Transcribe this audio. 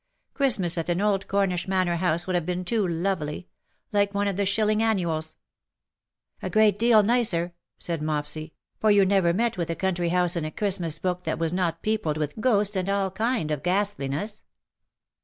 Christmas at an old Cornish manor house would have been too lovely — like one of the shilling annuals. ^^" A great deal nicer/^ said Mopsy, " for you never met with a country house in a Christmas book that was not peopled with ghosts and all kind of ghastliness."